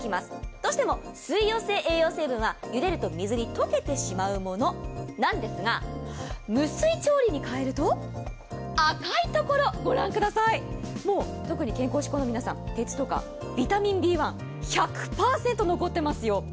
どうしても水溶性栄養成分はゆでると水に溶けてしまうものなんですが、無水調理に変えるともう特に健康志向の皆さん、鉄とかビタミンＢ１、１００％残ってますよ。